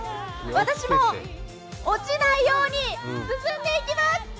私も落ちないように進んでいきます。